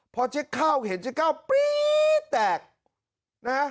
พอเจ๊ข้าวเห็นเจ๊ก้าวปรี๊ดแตกนะฮะ